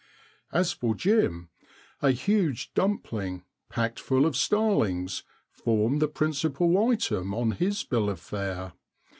As for Jim, a huge dump ling, packed full of starlings, formed the principal item on his bill of fare.